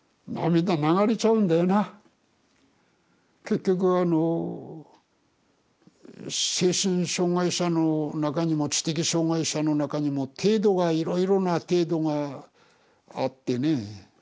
結局あの精神障害者の中にも知的障害者の中にも程度がいろいろな程度があってね